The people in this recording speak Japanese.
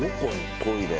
トイレ。